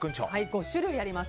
５種類あります。